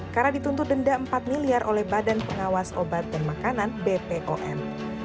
karena dituntut denda empat miliar oleh badan pengawas obat dan makanan bpom